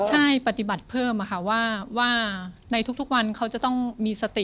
ใช่ปฏิบัติเพิ่มค่ะว่าในทุกวันเขาจะต้องมีสติ